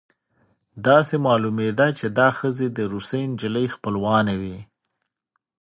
داسې معلومېده چې دا ښځې د روسۍ نجلۍ خپلوانې وې